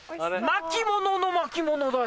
巻物の巻物だ！